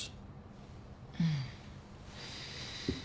うん。